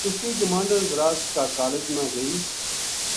اس کی گماہنڈن زراعت کا کالج ما گئی